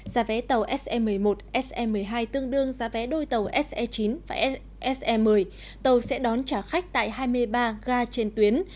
giá vé tàu se một mươi một se một mươi hai tương đương giá vé đôi tàu se chín và se một mươi tàu sẽ đón trả khách tại hai mươi ba ga trên tuyến